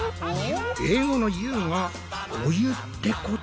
英語の「ｙｏｕ」がお湯ってこと？